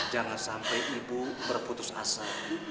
jangan sampai ibu berputus asa